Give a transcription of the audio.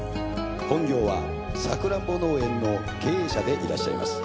本業はさくらんぼ農園の経営者でいらっしゃいます。